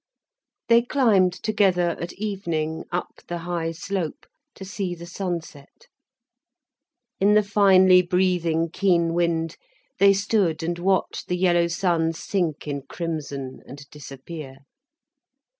They climbed together, at evening, up the high slope, to see the sunset. In the finely breathing, keen wind they stood and watched the yellow sun sink in crimson and disappear.